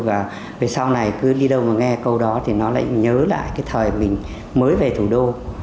và về sau này cứ đi đâu mà nghe câu đó thì nó lại nhớ lại cái thời mình mới về thủ đô